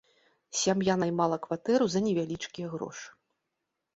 Сям'я наймала кватэру за невялічкія грошы.